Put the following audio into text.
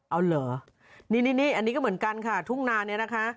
เอาเหรอนี่อันนี้ก็เหมือนกันค่ะทุ่งนาเนี่ยนะคะ